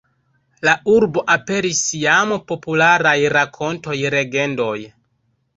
La urbo aperis jam en popularaj rakontoj, legendoj.